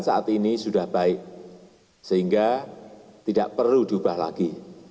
saat ini sudah baik sehingga tidak perlu diubah lagi